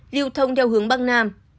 liêu thông theo hướng bắc nam